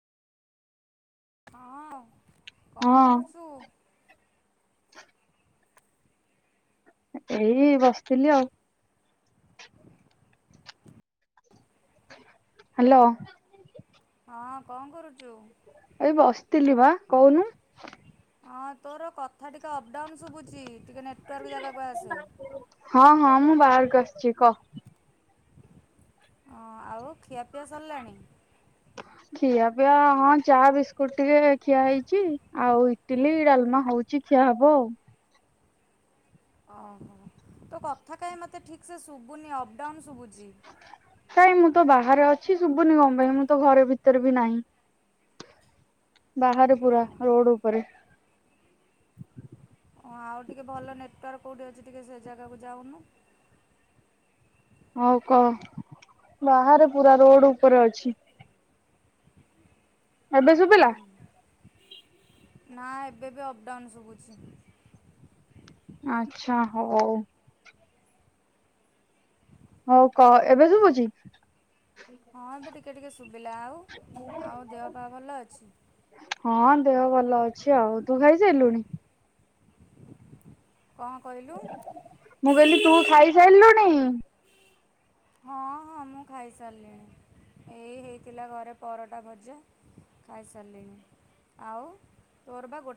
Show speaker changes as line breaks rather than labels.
ହଁ କଣ
ହଁ
କରୁଛୁ?
ଏଇ ବସିଥିଲି ଆଉ। ହ୍ୟାଲୋ।
ହଁ କଣ କରୁଛୁ?
ଏଇ ବସିଥିଲି ବା କହୁନୁ।
ହଁ ତୋର କଥା ଟିକେ ଅପଡାଉନ୍ ଶୁଭୁଛି ଟିକେ ନେଟୱାର୍କ ଜାଗାକୁ ଆସେ।
ହଁ ହଁ ମୁଁ ବାହାରକୁ ଆସିଛି କହ?
ହଁ ଆଉ ଖିଆପିଆ ସରିଲାଣି?
ଖିଆ ପିଆ ହଁ ଚା ବିସ୍କୁଟ ଟିକେ ଖିଆ ହେଇଛି। ଆଉ ଇଟିଲି ଡାଲମା ହଉ ହଉଚି ଖିଆ ହବ ଆଉ।
ଓହୋ ତ କଥା କାହି ମୋତେ ଠିକ୍ ସେ ଶୁଭୁନି ଅପ୍ ଡାଉନ୍ ଶୁଭୁଛି।
କାଇଁ ମୁଁ ତ ବାହାରେ ଅଛି ଶୁଭୁନି କଣ ପାଇଁ ମୁଁ ତ ଘର ଭିତରେ ବି ନାହିଁ। ବାହାରେ
ଓ
ପୁରା ରୋଡ ଉପରେ।
ହଁ ଆଉ ଟିକେ ଭଲ ନେଟୱାର୍କ କେଉଠି ଅଛି ଟିକେ ସେ ଜାଗାକୁ ଯାଉନୁ।
ହଉ କହ ବାହାରେ ପୁରା ରୋଡ ଉପରେ ଅଛି। ଏବେ ଶୁଭିଲା?
ନା ଏବେ ବି ଅପ ଡାଉନ୍ ଶୁଭୁଛି।
ଆଚ୍ଛା ହଉ। ହଉ କହ ଏବେ ଶୁଭୁଛି?
ହଁ ଏବେ ଟିକେ ଟିକେ ଶୁଭିଲା ଆଉ ଆଉ ଦେହ ପାଅ ଭଲ ଅଛି?
ହଁ ଦେହ ଭଲ ଅଛି ଆଉ ତୁ ଖାଇସାରିଲୁଣି?
କଣ କହିଲୁ?
ମୁଁ କହିଲି ତୁ ଖାଇସାରିଲୁଣି?
ହଁ ହଁ ମୁଁ ଖାଇସାରିଲିଣି। ଏଇ ହେଇଥିଲା ଘରେ ପରଟା ଭଜା ଖାଇସାରିଲିଣି। ଆଉ ତୋର ବା ଗୋଟେ